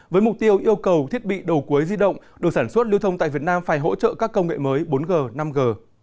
với mục tiêu yêu cầu thiết bị đầu cuối di động được sản xuất lưu thông tại việt nam phải hỗ trợ các công nghệ mới bốn g năm g